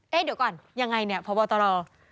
เดี๋ยวก่อนยังไงเนี่ยพบตร